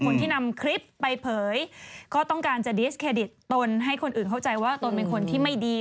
คนที่นำคลิปไปเผยก็ต้องการจะดิสเครดิตตนให้คนอื่นเข้าใจว่าตนเป็นคนที่ไม่ดี